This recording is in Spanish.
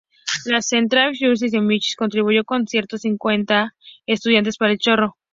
La "Zentral-Singschule" de Múnich contribuyó con trescientos cincuenta estudiantes para el coro de niños.